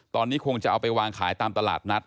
ตอนนี้คงจะเอาไปวางขายตามตลาดนัด